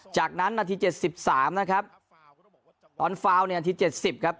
จากนั้นนาที๗๓นะครับตอนฟาวน์ในนาที๗๐ครับ